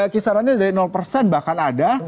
kisarannya dari bahkan ada